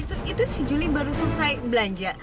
itu itu itu si juli baru selesai belanja